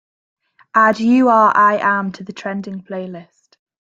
Add you are i am to the trending playlist